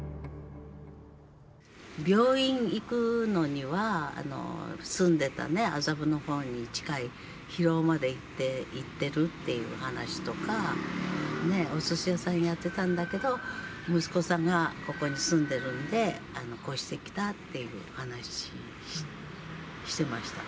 病院行くのには、住んでた麻布のほうに近い広尾まで行ってるっていう話とか、ね、おすし屋さんやってたんだけど、息子さんがここに住んでるんで、越してきたっていう話してました。